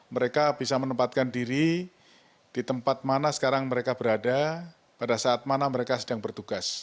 mereka bisa menempatkan diri di tempat mana sekarang mereka berada pada saat mana mereka sedang bertugas